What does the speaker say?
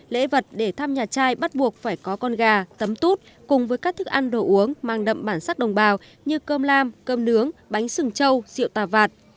lễ vật để thăm nhà trai bắt buộc phải có con gà tấm tút cùng với các thức ăn đồ uống mang đậm bản sắc đồng bào như cơm lam cơm nướng bánh sừng trâu rượu tà vạt